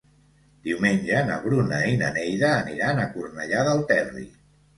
Diumenge na Bruna i na Neida aniran a Cornellà del Terri.